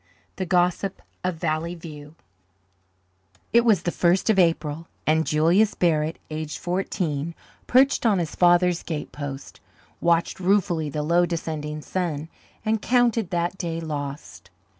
The Gossip of Valley View It was the first of April, and Julius Barrett, aged fourteen, perched on his father's gatepost, watched ruefully the low descending sun, and counted that day lost.